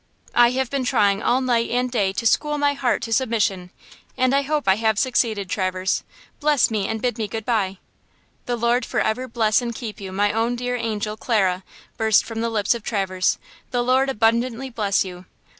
I have been trying all night and day to school my heart to submission, and I hope I have succeeded, Traverse. Bless me and bid me good by." "The Lord forever bless and keep you, my own dear angel, Clara!" burst from the lips of Traverse. "The Lord abundantly bless you!"